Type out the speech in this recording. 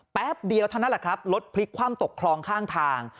แป๊บเดียวเท่านั้นแหละครับรถพลิกคว่ำตกคลองข้างทาง